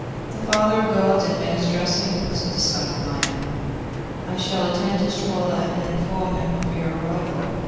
'The Father of Gods and men is dressing,' said the son of Maia. 'I shall attend his toilet and inform him of your arrival.